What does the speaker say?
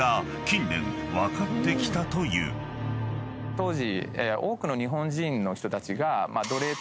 当時。